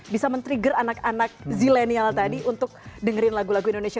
bisa men trigger anak anak zilenial tadi untuk dengerin lagu lagu indonesia